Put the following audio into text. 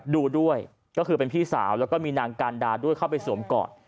ดูด้วยก็คือเป็นพี่สาวแล้วก็มีนางการดาด้วยเข้าไปสวมกอด